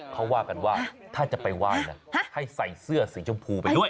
เขาว่ากันว่าถ้าจะไปไหว้นะให้ใส่เสื้อสีชมพูไปด้วย